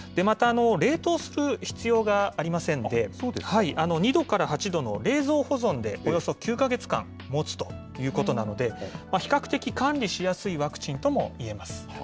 また、冷凍する必要がありませんで、２度から８度の冷蔵保存でおよそ９か月間もつということなので、比較的管理しやすいワクチンともいえます。